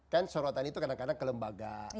kan sorotan itu kadang kadang ke lembaga